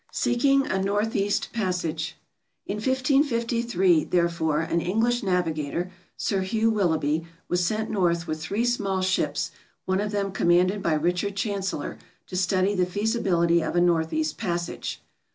Seeking a Northeast Passage In 1553, therefore, an English navigator, Sir Hugh Wil loughby, was sent north with three small ships, one of them commanded by Richard Chancellor, to study the feasibility of a northeast passage.